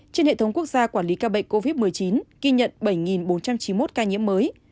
trên hệ thống quốc gia quản lý ca bệnh covid một mươi chín ghi nhận bảy bốn trăm chín mươi một ca nhiễm mới